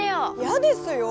嫌ですよ！